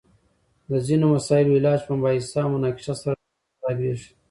د ځینو مسائلو علاج په مباحثه او مناقشه سره نور هم خرابیږي!